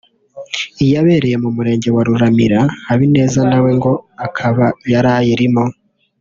iyabereye mu murenge wa Ruramira Habineza na we ngo akaba yari ayirimo